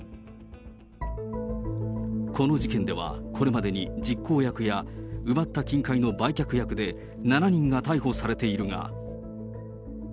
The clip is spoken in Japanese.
この事件では、これまでに実行役や、奪った金塊の売却役で７人が逮捕されているが。